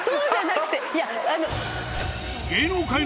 いやあの。